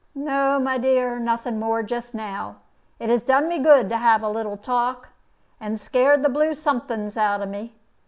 "No, my dear, nothing more just now. It has done me good to have a little talk, and scared the blue somethings out of me.